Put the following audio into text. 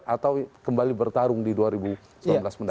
atau kembali bertarung di dua ribu sembilan belas mendatang